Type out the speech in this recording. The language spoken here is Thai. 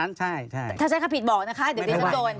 ถ้าใช้ทำคำผิดบอกนะคะเดี๋ยวชั้นต้น